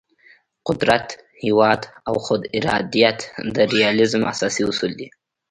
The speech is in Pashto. قدرت، هیواد او خود ارادیت د ریالیزم اساسي اصول دي.